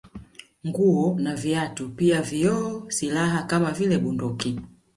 Nguo na viatu pia vioo na silaha kama vile bunduki